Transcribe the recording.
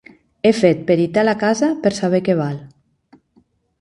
He fet peritar la casa per saber què val.